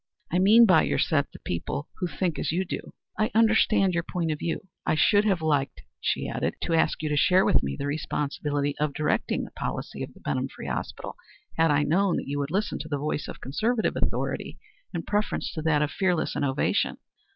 "I mean by your set the people who think as you do. I understand your point of view. I should have liked," she added, "to ask you to share with me the responsibility of directing the policy of the Benham Free Hospital, had I not known that you would listen to the voice of conservative authority in preference to that of fearless innovation."